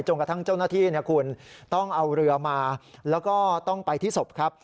กระทั่งเจ้าหน้าที่คุณต้องเอาเรือมาแล้วก็ต้องไปที่ศพครับ